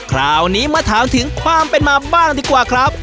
คราวนี้มาถามถึงความเป็นมาบ้างดีกว่าครับ